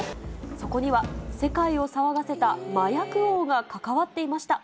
そこには世界を騒がせた麻薬王が関わっていました。